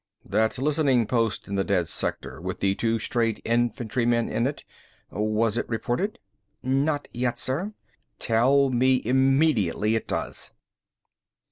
"That listening post in the dead sector, with the two strayed infantrymen in it. Was it reported?" "Not yet, sir." "Tell me immediately it does."